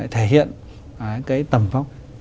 thể hiện cái tầm vóc